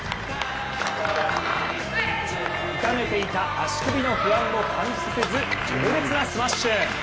痛めていた足首の不安も感じさせず、強烈なスマッシュ。